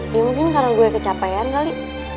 ya mungkin karena gue kecapean kali